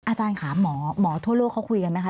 อาจารย์ค่ะหมอทั่วโลกเขาคุยกันไหมคะ